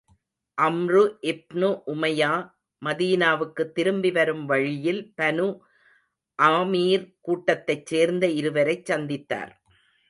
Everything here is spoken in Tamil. அம்ரு இப்னு உமையா மதீனாவுக்குத் திரும்பி வரும் வழியில் பனு ஆமீர் கூட்டத்தைச் சேர்ந்த இருவரைச் சந்தித்தார்.